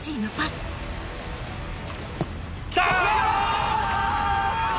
きた！